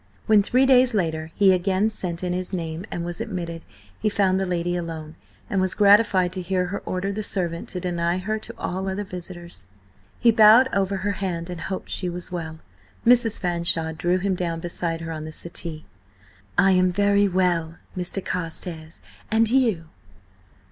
When, three days later, he again sent in his name and was admitted, he found the lady alone, and was gratified to hear her order the servant to deny her to all other visitors. He bowed over her hand and hoped she was well. Mrs. Fanshawe drew him down beside her on the settee. "I am very well, Mr. Carstares. And you?"